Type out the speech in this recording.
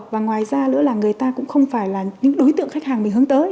và ngoài ra nữa là người ta cũng không phải là những đối tượng khách hàng mình hướng tới